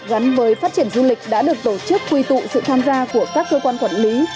gắn với phát triển du lịch đã được tổ chức quy tụ sự tham gia của các cơ quan quản lý